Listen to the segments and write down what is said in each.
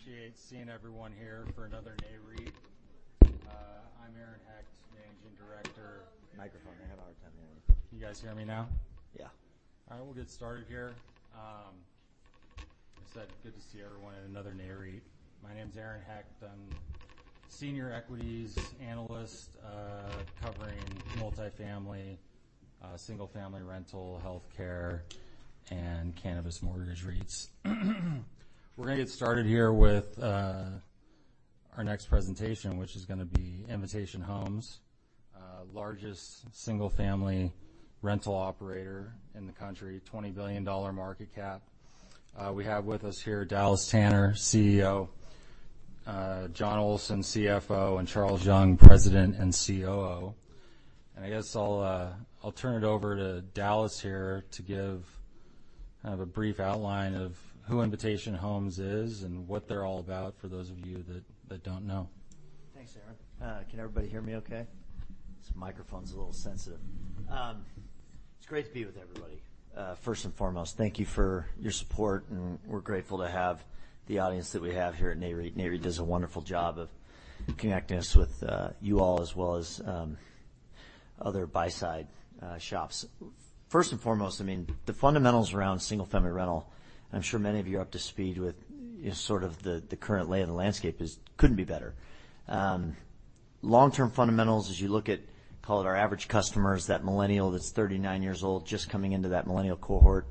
Appreciate seeing everyone here for another Nareit. I'm Aaron Hecht, Managing Director. Microphone. I have a hard time hearing. Can you guys hear me now? Yeah. All right, we'll get started here. I said good to see everyone at another Nareit. My name is Aaron Hecht. I'm Senior Equities Analyst, covering multifamily, single-family rental, healthcare, and cannabis mortgage REITs. We're going to get started here with our next presentation, which is going to be Invitation Homes, largest single-family rental operator in the country, $20 billion market cap. We have with us here Dallas Tanner, CEO, Jonathan Olsen, CFO, and Charles Young, President and COO. I guess I'll turn it over to Dallas here to give kind of a brief outline of who Invitation Homes is and what they're all about, for those of you that don't know. Thanks, Aaron. Can everybody hear me okay? This microphone's a little sensitive. It's great to be with everybody. First and foremost, thank you for your support, and we're grateful to have the audience that we have here at Nareit. Nareit does a wonderful job of connecting us with you all, as well as other buy-side shops. First and foremost, I mean, the fundamentals around single-family rental, I'm sure many of you are up to speed with, you know, sort of the current lay of the landscape couldn't be better. Long-term fundamentals, as you look at, call it, our average customer, is that millennial that's 39 years old, just coming into that millennial cohort,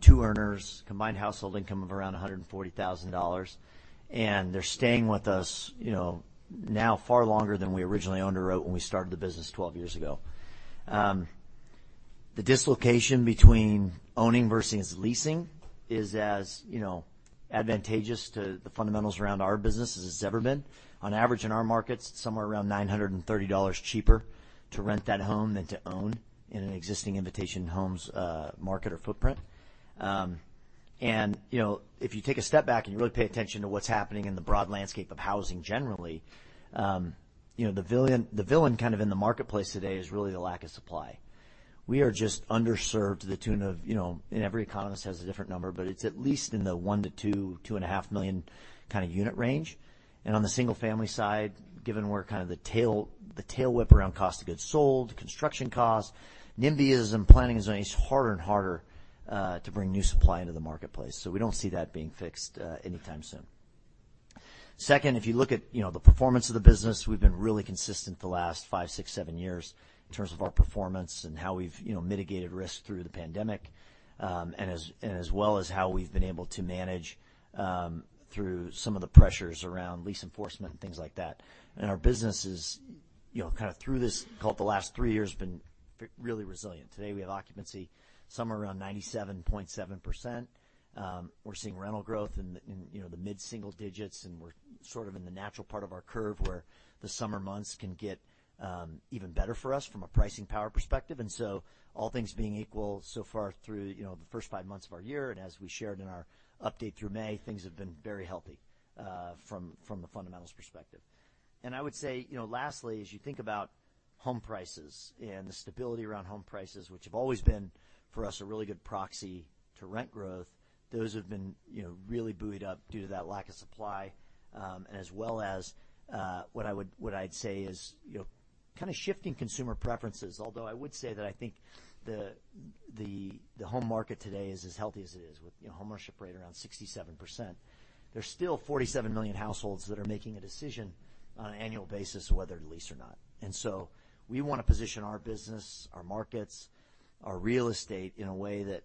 two earners, combined household income of around $140,000, and they're staying with us, you know, now far longer than we originally underwrote when we started the business 12 years ago. The dislocation between owning versus leasing is, as you know, advantageous to the fundamentals around our business as it's ever been. On average, in our markets, it's somewhere around $930 cheaper to rent that home than to own in an existing Invitation Homes market or footprint. You know, if you take a step back and you really pay attention to what's happening in the broad landscape of housing, generally, you know, the villain kind of in the marketplace today is really the lack of supply. We are just underserved to the tune of, every economist has a different number, but it's at least in the $1 million to $2 million, $2.5 million kind of unit range. On the single-family side, given we're kind of the tail whip around cost to get sold, construction costs, NIMBYism, planning zone, it's harder and harder to bring new supply into the marketplace. We don't see that being fixed anytime soon. Second, if you look at, you know, the performance of the business, we've been really consistent the last five, six, seven years in terms of our performance and how we've, you know, mitigated risk through the pandemic, and as well as how we've been able to manage through some of the pressures around lease enforcement and things like that. Our business is, you know, kind of through this, call it the last three years, been really resilient. Today, we have occupancy somewhere around 97.7%. We're seeing rental growth in the, you know, the mid-single digits, and we're sort of in the natural part of our curve, where the summer months can get even better for us from a pricing power perspective. All things being equal so far through, you know, the first five months of our year, and as we shared in our update through May, things have been very healthy, from the fundamentals perspective. I would say, you know, lastly, as you think about home prices and the stability around home prices, which have always been, for us, a really good proxy to rent growth, those have been, you know, really buoyed up due to that lack of supply, and as well as, what I'd say is, you know, kind of shifting consumer preferences. Although I would say that I think the, the home market today is as healthy as it is, with, you know, homeownership rate around 67%. There's still 47 million households that are making a decision on an annual basis whether to lease or not. We want to position our business, our markets, our real estate in a way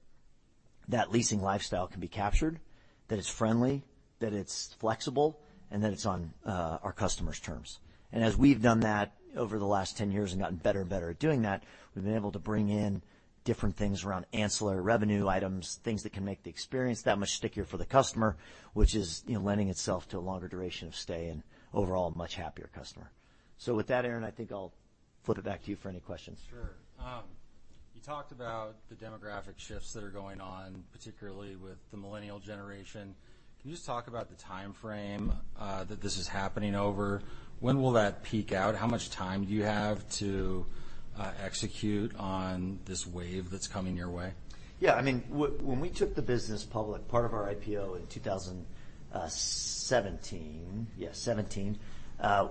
that leasing lifestyle can be captured, that it's friendly, that it's flexible, and that it's on our customers' terms. As we've done that over the last 10 years and gotten better and better at doing that, we've been able to bring in different things around ancillary revenue items, things that can make the experience that much stickier for the customer, which is, you know, lending itself to a longer duration of stay and overall a much happier customer. With that, Aaron, I think I'll flip it back to you for any questions. Sure. You talked about the demographic shifts that are going on, particularly with the millennial generation. Can you just talk about the timeframe that this is happening over? When will that peak out? How much time do you have to execute on this wave that's coming your way? Yeah. I mean, when we took the business public, part of our IPO in 2017,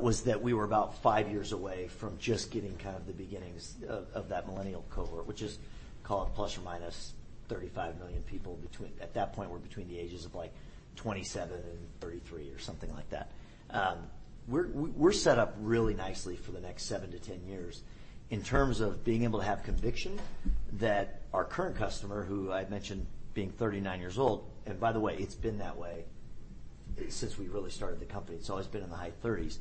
was that we were about five years away from just getting kind of the beginnings of that millennial cohort, which is, call it, plus or minus 35 million people between. At that point, were between the ages of, like, 27 and 33 or something like that. We're set up really nicely for the next seven to 10 years in terms of being able to have conviction that our current customer, who I've mentioned being 39 years old, and by the way, it's been that way since we really started the company. It's always been in the high 30s.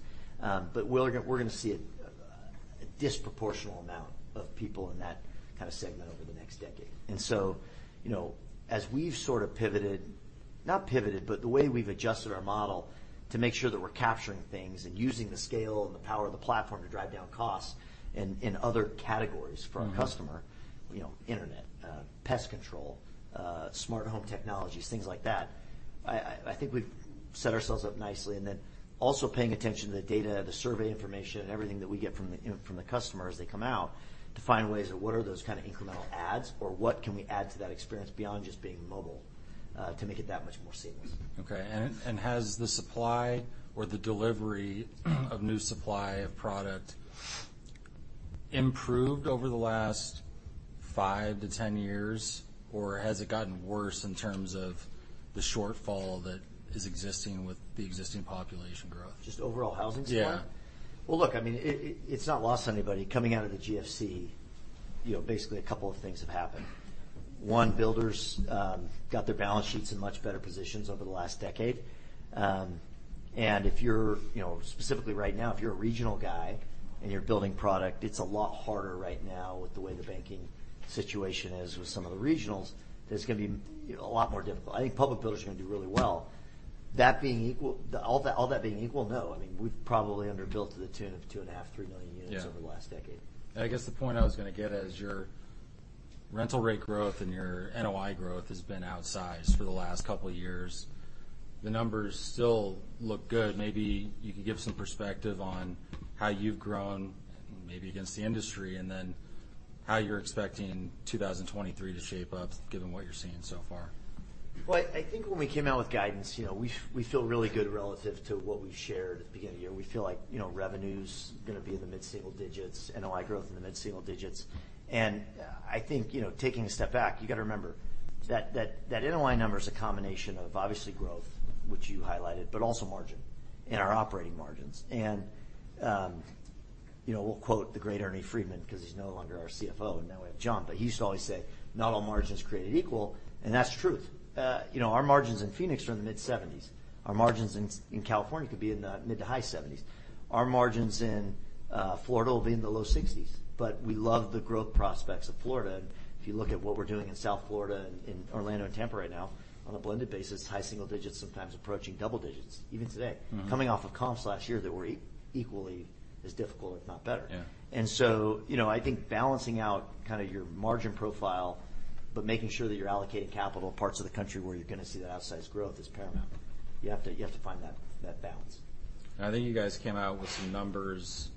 We're going to see a disproportional amount of people in that kind of segment over the next decade. You know, as we've sort of pivoted, not pivoted, but the way we've adjusted our model to make sure that we're capturing things and using the scale and the power of the platform to drive down costs in other categories for our customer, you know, internet, pest control, smart home technologies, things like that, I think we've set ourselves up nicely. Also paying attention to the data, the survey information, and everything that we get from the, you know, from the customer as they come out, to find ways of what are those kind of incremental adds or what can we add to that experience beyond just being mobile? To make it that much more seamless. Okay, has the supply or the delivery of new supply of product improved over the last five-10 years, or has it gotten worse in terms of the shortfall that is existing with the existing population growth? Just overall housing supply? Yeah. Well, look, I mean, it's not lost on anybody. Coming out of the GFC, you know, basically, a couple of things have happened. One, builders got their balance sheets in much better positions over the last decade. If you're, you know, specifically right now, if you're a regional guy, and you're building product, it's a lot harder right now with the way the banking situation is with some of the regionals. It's gonna be, you know, a lot more difficult. I think public builders are gonna do really well. That being equal, all that, all that being equal, no. I mean, we've probably underbuilt to the tune of 2.5 million-3 million units. Yeah over the last decade. I guess the point I was gonna get at is your rental rate growth and your NOI growth has been outsized for the last couple of years. The numbers still look good. Maybe you can give some perspective on how you've grown, maybe against the industry, and then how you're expecting 2023 to shape up, given what you're seeing so far? Well, I think when we came out with guidance, you know, we feel really good relative to what we've shared at the beginning of the year. We feel like, you know, revenue's gonna be in the mid-single digits, NOI growth in the mid-single digits. I think, you know, taking a step back, you've got to remember, that NOI number is a combination of, obviously, growth, which you highlighted, but also margin and our operating margins. You know, we'll quote the great Ernie Freedman, because he's no longer our CFO, and now we have John. He used to always say, "Not all margins are created equal." That's the truth. You know, our margins in Phoenix are in the mid-seventies. Our margins in California could be in the mid to high seventies. Our margins in Florida will be in the low 60s, but we love the growth prospects of Florida. If you look at what we're doing in South Florida and in Orlando and Tampa right now, on a blended basis, high single digits, sometimes approaching double digits, even today. Mm-hmm. Coming off of comps last year that were equally as difficult, if not better. Yeah. You know, I think balancing out kind of your margin profile, but making sure that you're allocating capital in parts of the country where you're going to see that outsized growth is paramount. You have to find that balance. I think you guys came out with some numbers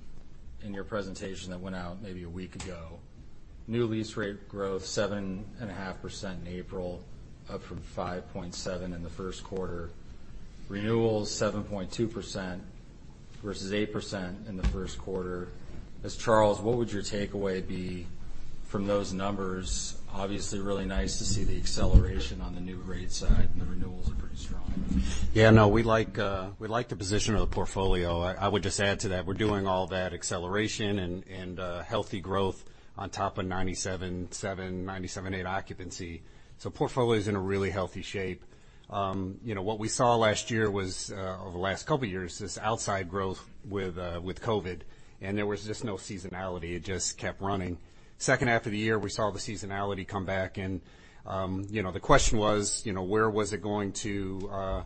in your presentation that went out maybe a week ago. New lease rate growth, 7.5% in April, up from 5.7% in the first quarter. Renewals, 7.2% versus 8% in the first quarter. As Charles, what would your takeaway be from those numbers? Obviously, really nice to see the acceleration on the new rate side, and the renewals are pretty strong. We like the position of the portfolio. I would just add to that, we're doing all that acceleration and healthy growth on top of 97.7, 97.8 occupancy. Portfolio is in a really healthy shape. You know, what we saw last year was, over the last couple of years, this outside growth with COVID, and there was just no seasonality. It just kept running. Second half of the year, we saw the seasonality come back, and, you know, the question was, you know, how was it going to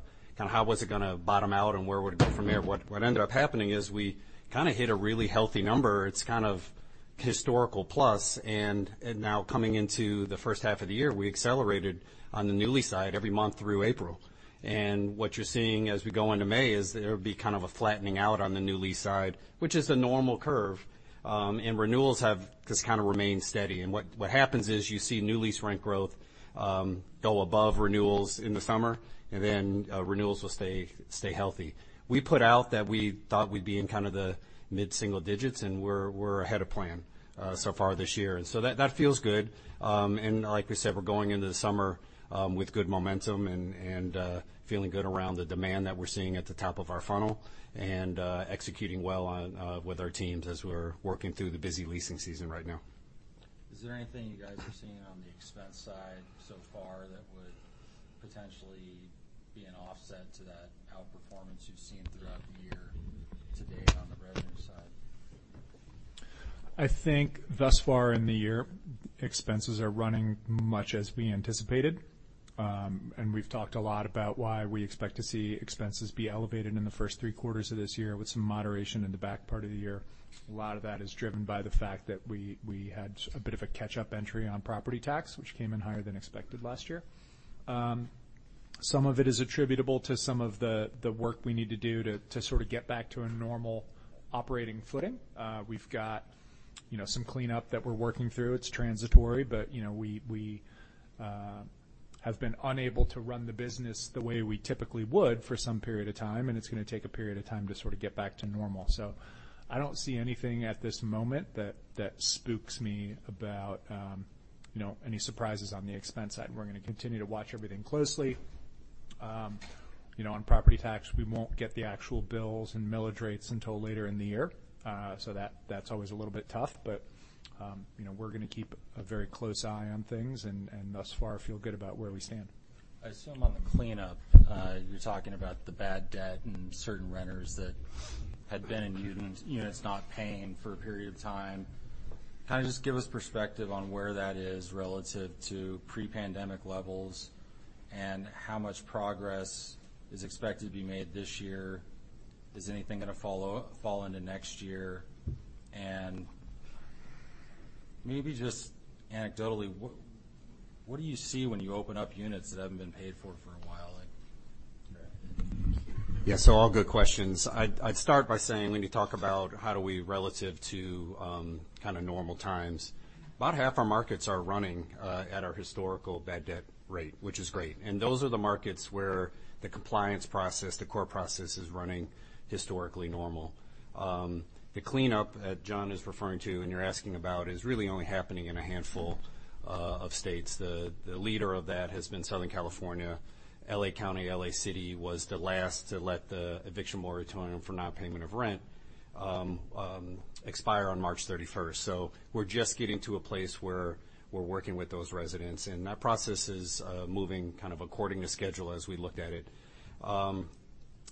bottom out, and where would it go from there? What ended up happening is, we kind of hit a really healthy number. It's kind of historical plus, and now coming into the first half of the year, we accelerated on the new lease side every month through April. What you're seeing as we go into May is there will be kind of a flattening out on the new lease side, which is a normal curve. Renewals have just kind of remained steady. What happens is, you see new lease rent growth go above renewals in the summer, and then renewals will stay healthy. We put out that we thought we'd be in kind of the mid-single digits, and we're ahead of plan so far this year. That feels good. Like we said, we're going into the summer, with good momentum and feeling good around the demand that we're seeing at the top of our funnel, and executing well on with our teams as we're working through the busy leasing season right now. Is there anything you guys are seeing on the expense side so far that would potentially be an offset to that outperformance you've seen throughout the year to date on the revenue side? I think thus far in the year, expenses are running much as we anticipated. We've talked a lot about why we expect to see expenses be elevated in the first three quarters of this year, with some moderation in the back part of the year. A lot of that is driven by the fact that we had a bit of a catch-up entry on property tax, which came in higher than expected last year. Some of it is attributable to some of the work we need to do to sort of get back to a normal operating footing. We've got, you know, some cleanup that we're working through. It's transitory, but, you know, we have been unable to run the business the way we typically would for some period of time, and it's gonna take a period of time to sort of get back to normal. I don't see anything at this moment that spooks me about, you know, any surprises on the expense side. We're gonna continue to watch everything closely. You know, on property tax, we won't get the actual bills and millage rates until later in the year. That's always a little bit tough, but, you know, we're gonna keep a very close eye on things and thus far, feel good about where we stand. I assume on the cleanup, you're talking about the bad debt and certain renters that had been in units not paying for a period of time. Kind of just give us perspective on where that is relative to pre-pandemic levels, and how much progress is expected to be made this year. Is anything gonna fall into next year? Maybe just anecdotally, what do you see when you open up units that haven't been paid for? Yes, all good questions. I'd start by saying, when you talk about how do we relative to kind of normal times, about half our markets are running at our historical bad debt rate, which is great. Those are the markets where the compliance process, the court process, is running historically normal. The cleanup that John is referring to, and you're asking about, is really only happening in a handful of states. The leader of that has been Southern California. L.A. County, L.A. City, was the last to let the eviction moratorium for non-payment of rent expire on March 31st. We're just getting to a place where we're working with those residents, and that process is moving kind of according to schedule as we look at it.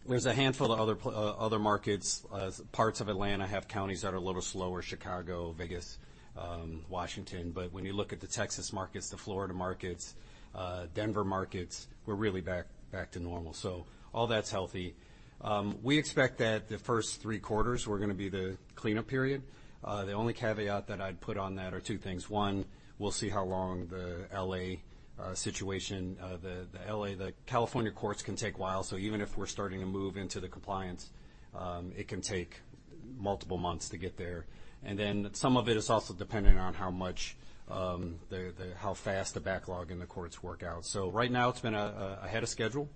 There's a handful of other markets. Parts of Atlanta have counties that are a little slower, Chicago, Vegas, Washington. When you look at the Texas markets, the Florida markets, Denver markets, we're really back to normal. All that's healthy. We expect that the first three quarters were gonna be the cleanup period. The only caveat that I'd put on that are two things. One, we'll see how long the L.A. situation, the California courts can take a while, so even if we're starting to move into the compliance, it can take multiple months to get there. Some of it is also dependent on how much, how fast the backlog in the courts work out. Right now, it's been ahead of schedule,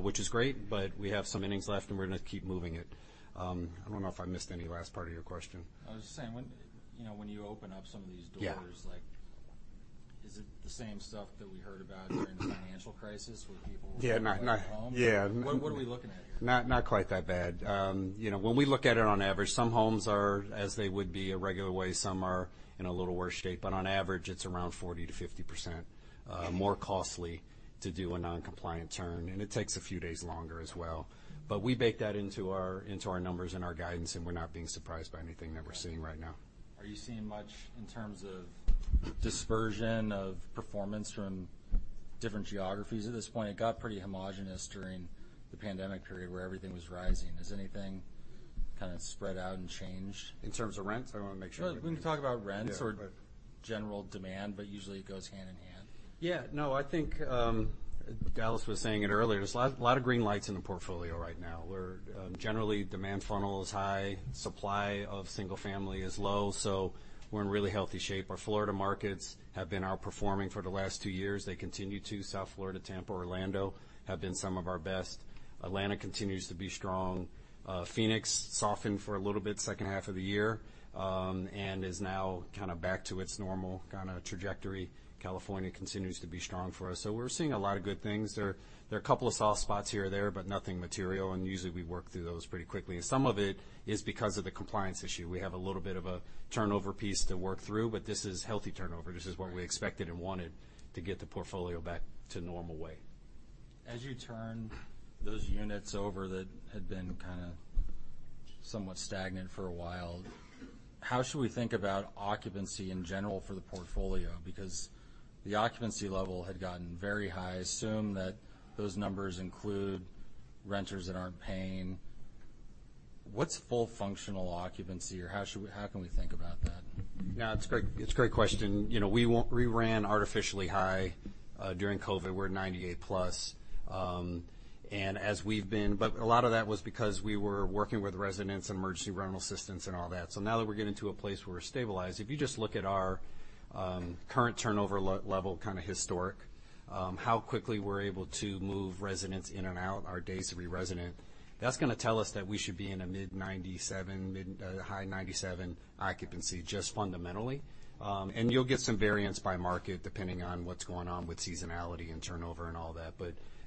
which is great, but we have some innings left, and we're going to keep moving it. I don't know if I missed any last part of your question. I was just saying, when, you know, when you open up some of these doors. Yeah. Like, is it the same stuff that we heard about during the financial crisis, where people were- Yeah. Not, yeah. What are we looking at here? Not quite that bad. You know, when we look at it on average, some homes are, as they would be a regular way, some are in a little worse shape, but on average, it's around 40%-50% more costly to do a non-compliant turn, and it takes a few days longer as well. We bake that into our, into our numbers and our guidance, and we're not being surprised by anything that we're seeing right now. Are you seeing much in terms of dispersion of performance from different geographies at this point? It got pretty homogenous during the pandemic period, where everything was rising. Has anything kind of spread out and changed? In terms of rents? I want to make sure. Well, we can talk about rents. Yeah. General demand, but usually it goes hand in hand. Yeah. No, I think Dallas was saying it earlier, there's a lot of green lights in the portfolio right now, where generally, demand funnel is high, supply of single family is low, so we're in really healthy shape. Our Florida markets have been outperforming for the last two years. They continue to. South Florida, Tampa, Orlando, have been some of our best. Atlanta continues to be strong. Phoenix softened for a little bit, second half of the year, and is now kind of back to its normal kind of trajectory. California continues to be strong for us. We're seeing a lot of good things there. There are a couple of soft spots here or there, but nothing material, and usually, we work through those pretty quickly. Some of it is because of the compliance issue. We have a little bit of a turnover piece to work through. This is healthy turnover. This is what we expected and wanted to get the portfolio back to normal way. As you turn those units over, that had been kind of somewhat stagnant for a while, how should we think about occupancy in general for the portfolio? The occupancy level had gotten very high. Assume that those numbers include renters that aren't paying. What's full functional occupancy, or how can we think about that? Yeah, it's a great, it's a great question. You know, we ran artificially high during COVID. We're 98 plus, and as we've been a lot of that was because we were working with residents, emergency rental assistance, and all that. Now that we're getting to a place where we're stabilized, if you just look at our current turnover level, kind of historic, how quickly we're able to move residents in and out, our days to re-resident, that's going to tell us that we should be in a mid-97, mid, high 97 occupancy, just fundamentally. You'll get some variance by market, depending on what's going on with seasonality and turnover and all that.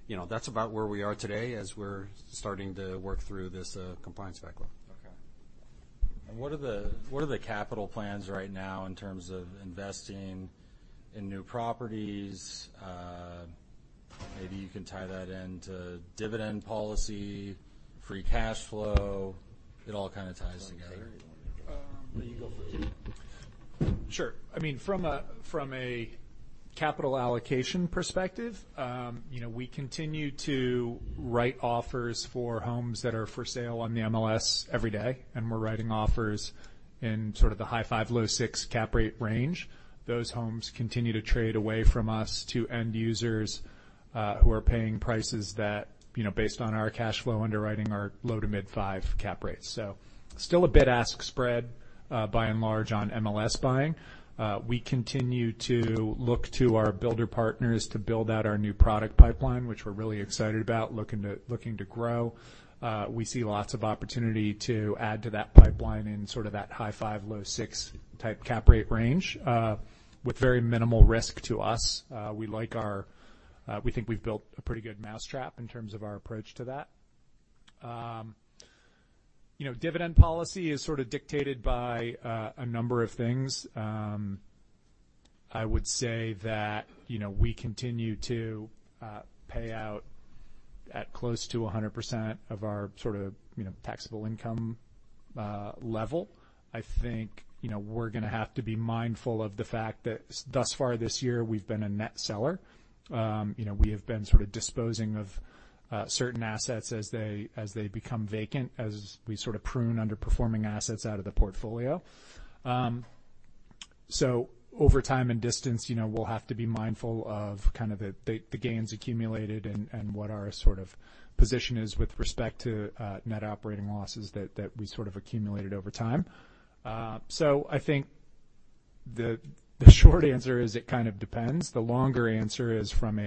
You know, that's about where we are today as we're starting to work through this compliance backlog. Okay. What are the capital plans right now in terms of investing in new properties? Maybe you can tie that into dividend policy, free cash flow. It all kind of ties together. You go first. Sure. I mean, from a capital allocation perspective, you know, we continue to write offers for homes that are for sale on the MLS every day. We're writing offers in sort of the high five, low six cap rate range. Those homes continue to trade away from us to end users, who are paying prices that, you know, based on our cash flow underwriting, are low to mid-5 cap rates. Still a bid-ask spread, by and large, on MLS buying. We continue to look to our builder partners to build out our new product pipeline, which we're really excited about, looking to grow. We see lots of opportunity to add to that pipeline in sort of that high five, low six type cap rate range, with very minimal risk to us. We like our, we think we've built a pretty good mousetrap in terms of our approach to that. You know, dividend policy is sort of dictated by a number of things. I would say that, you know, we continue to pay out at close to 100% of our sort of, you know, taxable income level. I think, you know, we're going to have to be mindful of the fact that thus far this year, we've been a net seller. You know, we have been sort of disposing of certain assets as they become vacant, as we sort of prune underperforming assets out of the portfolio. Over time and distance, you know, we'll have to be mindful of kind of the gains accumulated and what our sort of position is with respect to net operating losses that we sort of accumulated over time. I think the short answer is, it kind of depends. The longer answer is, from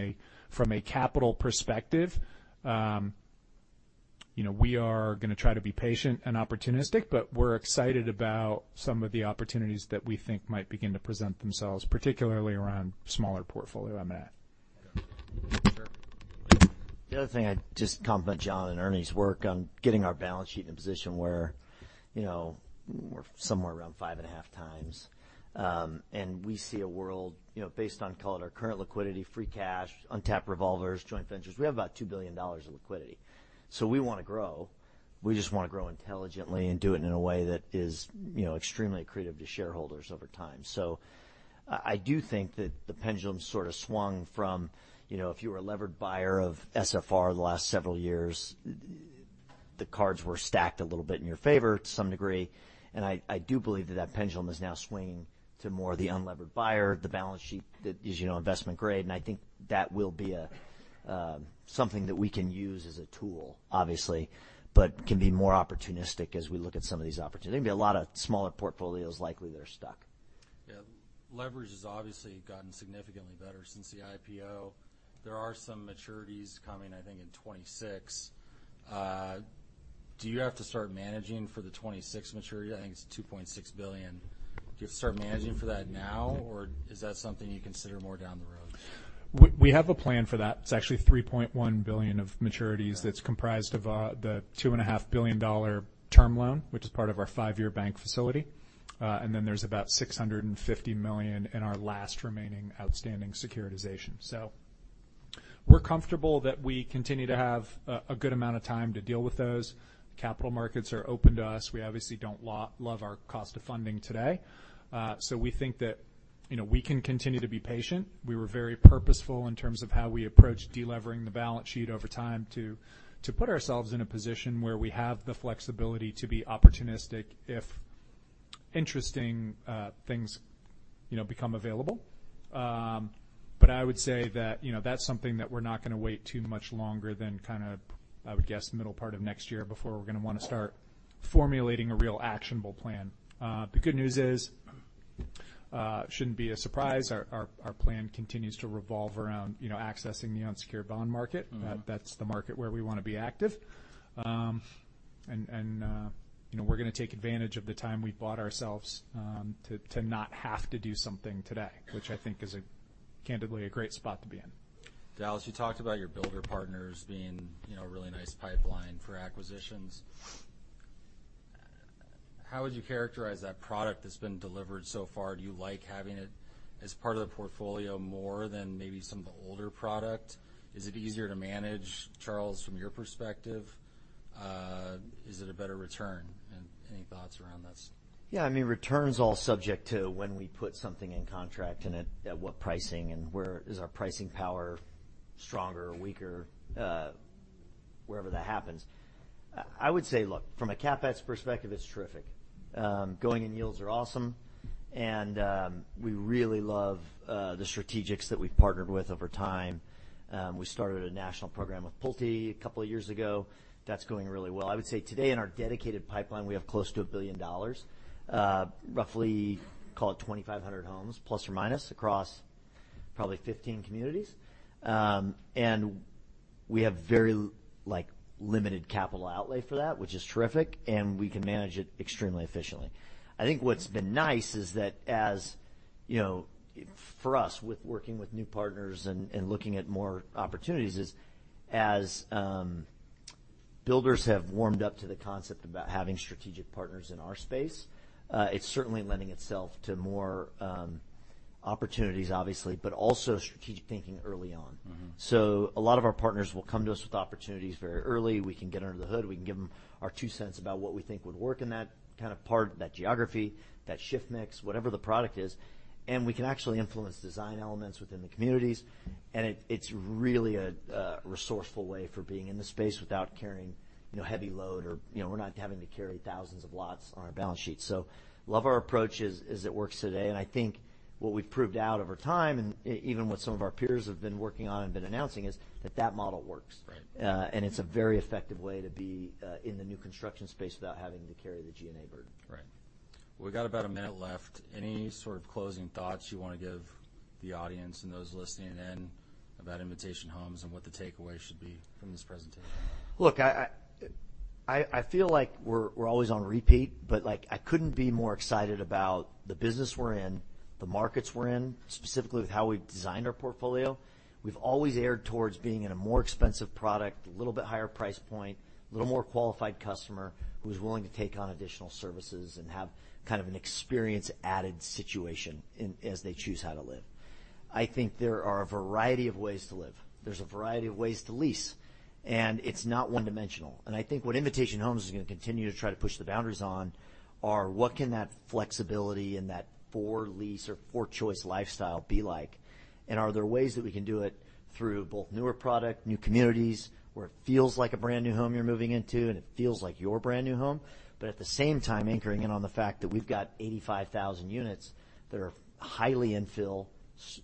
a capital perspective, you know, we are gonna try to be patient and opportunistic, but we're excited about some of the opportunities that we think might begin to present themselves, particularly around smaller portfolio on that. The other thing I'd just compliment John Olsen and Ernie's work on getting our balance sheet in a position where, you know, we're somewhere around five and a half times. We see a world, you know, based on, call it, our current liquidity, free cash, untapped revolvers, joint ventures. We have about $2 billion of liquidity. We wanna grow. We just wanna grow intelligently and do it in a way that is, you know, extremely accretive to shareholders over time. I do think that the pendulum sort of swung from, you know, if you were a levered buyer of SFR in the last several years, the cards were stacked a little bit in your favor to some degree, and I do believe that pendulum is now swinging to more the unlevered buyer, the balance sheet that is, you know, investment grade. I think that will be a something that we can use as a tool, obviously, but can be more opportunistic as we look at some of these opportunities. There may be a lot of smaller portfolios likely that are stuck. Leverage has obviously gotten significantly better since the IPO. There are some maturities coming, I think, in 2026. Do you have to start managing for the 2026 maturity? I think it's $2.6 billion. Do you start managing for that now, or is that something you consider more down the road? We have a plan for that. It's actually $3.1 billion of maturities that's comprised of the $2.5 billion term loan, which is part of our five-year bank facility. Then there's about $650 million in our last remaining outstanding securitization. We're comfortable that we continue to have a good amount of time to deal with those. Capital markets are open to us. We obviously don't love our cost of funding today, so we think that, you know, we can continue to be patient. We were very purposeful in terms of how we approach de-levering the balance sheet over time to put ourselves in a position where we have the flexibility to be opportunistic if interesting things, you know, become available. I would say that, you know, that's something that we're not gonna wait too much longer than kind of, I would guess, the middle part of next year before we're gonna wanna start formulating a real actionable plan. The good news is, shouldn't be a surprise. Our plan continues to revolve around, you know, accessing the unsecured bond market. Mm-hmm. That's the market where we wanna be active. You know, we're gonna take advantage of the time we've bought ourselves to not have to do something today, which I think is a, candidly, a great spot to be in. Dallas, you talked about your builder partners being, you know, a really nice pipeline for acquisitions. How would you characterize that product that's been delivered so far? Do you like having it as part of the portfolio more than maybe some of the older product? Is it easier to manage, Charles, from your perspective? Is it a better return, and any thoughts around this? I mean, return is all subject to when we put something in contract, and at what pricing and where is our pricing power stronger or weaker, wherever that happens. I would say, look, from a CapEx perspective, it's terrific. Going in yields are awesome, and we really love the strategics that we've partnered with over time. We started a national program with PulteGroup a couple of years ago. That's going really well. I would say today, in our dedicated pipeline, we have close to $1 billion, roughly, call it 2,500 homes ±, across probably 15 communities. We have very limited capital outlay for that, which is terrific, and we can manage it extremely efficiently. I think what's been nice is that as you know, for us, with working with new partners and looking at more opportunities, is as builders have warmed up to the concept about having strategic partners in our space, it's certainly lending itself to more opportunities, obviously, but also strategic thinking early on. Mm-hmm. A lot of our partners will come to us with opportunities very early. We can get under the hood, we can give them our two cents about what we think would work in that kind of part, that geography, that shift mix, whatever the product is, and we can actually influence design elements within the communities, and it's really a resourceful way for being in the space without carrying, you know, heavy load or, you know, we're not having to carry thousands of lots on our balance sheet. Love our approach as it works today, and I think what we've proved out over time, and even what some of our peers have been working on and been announcing, is that that model works. Right. It's a very effective way to be in the new construction space without having to carry the G&A burden. Right. We've got about a minute left. Any sort of closing thoughts you want to give the audience and those listening in about Invitation Homes and what the takeaway should be from this presentation? Look, I feel like we're always on repeat, but, like, I couldn't be more excited about the business we're in, the markets we're in, specifically with how we've designed our portfolio. We've always erred towards being in a more expensive product, a little bit higher price point, a little more qualified customer who's willing to take on additional services and have kind of an experience-added situation as they choose how to live. I think there are a variety of ways to live. There's a variety of ways to lease, and it's not one-dimensional. I think what Invitation Homes is gonna continue to try to push the boundaries on are, what can that flexibility and that for lease or for choice lifestyle be like? Are there ways that we can do it through both newer product, new communities, where it feels like a brand-new home you're moving into, and it feels like your brand-new home, but at the same time, anchoring in on the fact that we've got 85,000 units that are highly infill,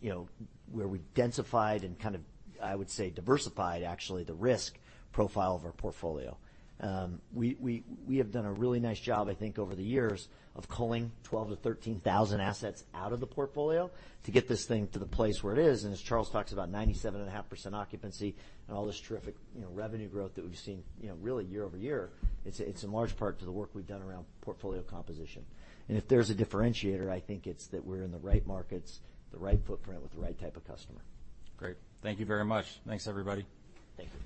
you know, where we've densified and kind of, I would say, diversified actually, the risk profile of our portfolio? We have done a really nice job, I think, over the years, of culling 12,000-13,000 assets out of the portfolio to get this thing to the place where it is. As Charles talks about 97.5% occupancy and all this terrific, you know, revenue growth that we've seen, you know, really year-over-year, it's in large part to the work we've done around portfolio composition. If there's a differentiator, I think it's that we're in the right markets, the right footprint, with the right type of customer. Great. Thank you very much. Thanks, everybody. Thank you.